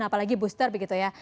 apalagi booster begitu ya